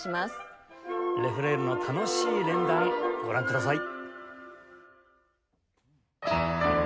レ・フレールの楽しい連弾ご覧ください。